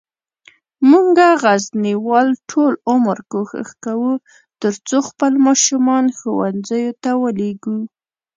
مونږه غزنیوال ټول عمر کوښښ کووه ترڅوخپل ماشومان ښوونځیوته ولیږو